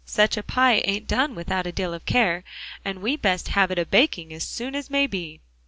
Such a pie ain't done without a deal of care, and we'd best have it a baking as soon as may be."